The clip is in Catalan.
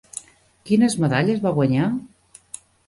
Quines medalles va guanyar?